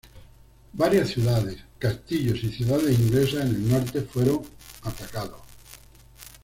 Varias ciudades, castillos y ciudades inglesas en el norte fueron atacados.